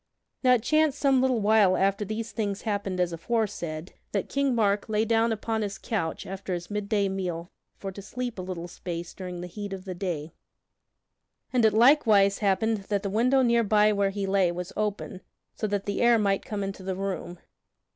Now it chanced some little while after these things happened as aforesaid, that King Mark lay down upon his couch after his midday meal for to sleep a little space during the heat of the day; and it likewise happened that the window near by where he lay was open so that the air might come into the room.